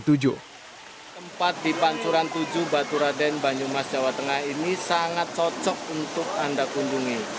tempat di pancuran tujuh baturaden banyumas jawa tengah ini sangat cocok untuk anda kunjungi